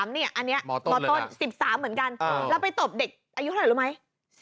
อันนี้มต้น๑๓เหมือนกันแล้วไปตบเด็กอายุเท่าไหร่รู้ไหม